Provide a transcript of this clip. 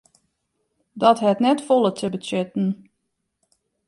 Dat hat net folle te betsjutten.